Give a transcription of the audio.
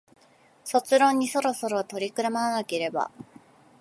卒論にそろそろ取り組まなければ